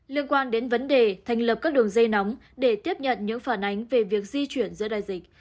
liên quan đến vấn đề thành lập các đường dây nóng để tiếp nhận những phản ánh về việc di chuyển giữa đại dịch